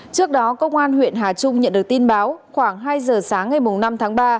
trước đó công an huyện hà trung nhận được tin báo khoảng hai giờ sáng ngày năm tháng ba